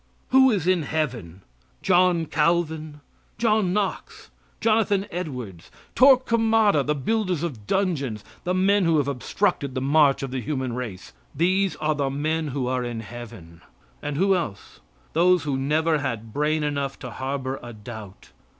Who is in heaven? John Calvin! John Knox! Jonathan Edwards! Torquemada the builders of dungeons, the men who have obstructed the march of the human race. These are the men who are in heaven; and who else? Those who never had brain enough to harbor a doubt.